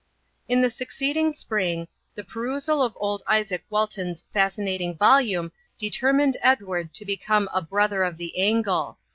In the succeeding spring, the perusal of old Isaac Walton's fascinating volume determined Edward to become 'a brother of the angle.'